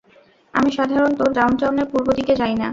আমি সাধারনত ডাউনটাউনের পূর্ব দিকে যাই না।